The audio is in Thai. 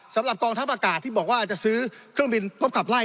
สำหรับกองทัพอากาศที่บอกว่าจะซื้อเครื่องบินพบขับไล่